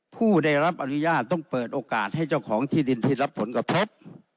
ผู้ได้รับอนุญาตต้องเปิดโอกาสให้เจ้าของที่ดินที่รับผลกระทบ